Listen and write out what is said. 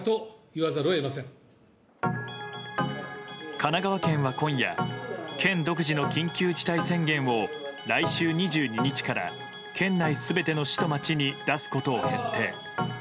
神奈川県は今夜県独自の緊急事態宣言を来週２２日から県内全ての市と町に出すことを決定。